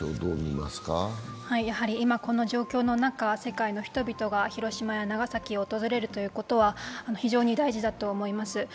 今、この状況の中、世界の人々が広島や長崎を訪れることは非常に大事だと思います。